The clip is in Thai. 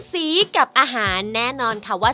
สีกับอาหารแน่นอนค่ะว่า